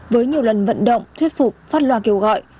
với nhiều lần vận động thuyết phục phát loa kêu gọi